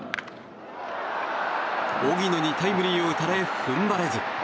荻野にタイムリーを打たれ踏ん張れず。